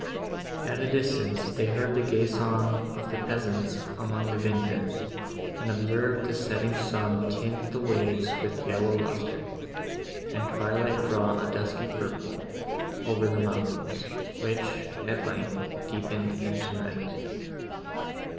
At a distance, they heard the gay song of the peasants among the vineyards, and observed the setting sun tint the waves with yellow lustre, and twilight draw a dusky purple over the mountains, which, at length, deepened into night.